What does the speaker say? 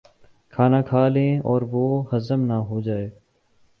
کھانا کھا لیں اور وہ ہضم ہو جائے۔